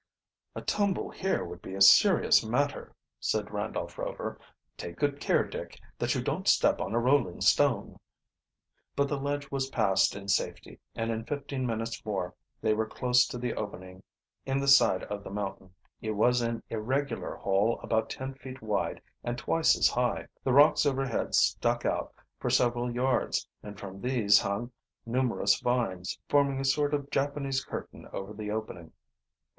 "A tumble here would be a serious matter," said Randolph Rover. "Take good care, Dick, that you don't step on a rolling stone." But the ledge was passed in safety, and in fifteen minutes more they were close to the opening is the side of the mountain. It was an irregular hole about ten feet wide and twice as high. The a rocks overhead stuck out for several yards, and from these hung numerous vines, forming a sort of Japanese curtain over the opening.